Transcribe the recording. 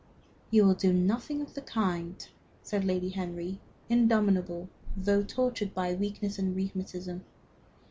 "You will do nothing of the kind," said Lady Henry, indomitable, though tortured by weakness and rheumatism.